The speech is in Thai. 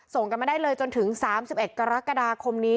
ส่งกันมาได้เลยจนถึง๓๑กรกฎาคมนี้